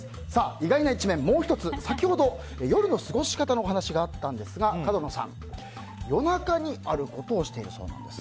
意外な一面もう１つ、先ほど夜の過ごし方のお話があったんですが角野さん、夜中にあることをしているそうなんです。